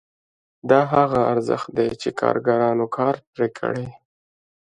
دا هغه ارزښت دی چې کارګرانو کار پرې کړی